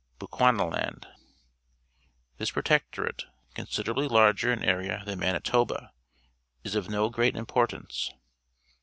BECHUANALAND This protectorate, considerably larger in area than Manitoba, is of no great impor tance.